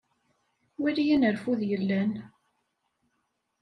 Wali anerfud yellan.